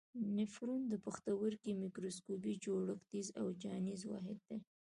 نفرون د پښتورګي میکروسکوپي جوړښتیز او چاڼیز واحد دی.